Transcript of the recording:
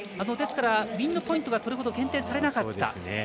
ですから、ウインドポイントがそれほど減点されなかった。